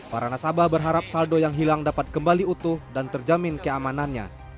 para nasabah berharap saldo yang hilang dapat kembali utuh dan terjamin keamanannya